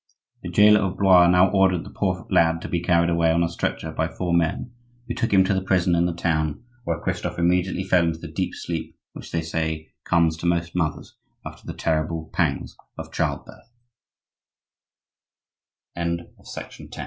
The jailer of Blois now ordered the poor lad to be carried away on a stretcher by four men, who took him to the prison in the town, where Christophe immediately fell into the deep sleep which, they say, comes to most mothers after t